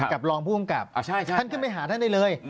รองผู้กำกับท่านขึ้นไปหาท่านได้เลย